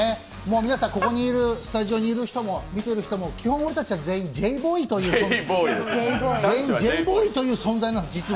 皆さんここにスタジオにいる人も見ている人も、基本的に俺たちは全員ジェーボーイという存在なんです。